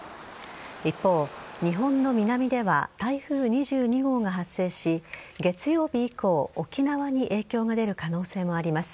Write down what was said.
一方、日本の南では台風２２号が発生し月曜日以降沖縄に影響が出る可能性もあります。